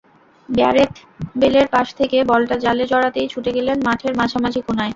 Gareth বেলের pass থেকে বলটা জালে জড়াতেই ছুটে গেলেন মাঠের মাঝামাঝি কোনায়।